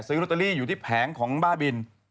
โรตเตอรี่อยู่ที่แผงของบ้าบิน